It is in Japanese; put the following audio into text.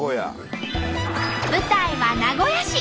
舞台は名古屋市。